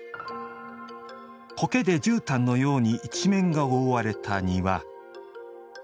苔でじゅうたんのように一面が覆われた庭。